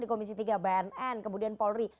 di komisi tiga bnn kemudian polri